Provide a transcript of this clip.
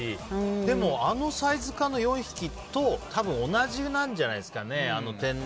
でも、あのサイズ感の４匹と同じなんじゃないんですかね。